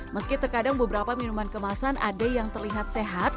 meski terkadang beberapa minuman kemasan ada yang terlihat sehat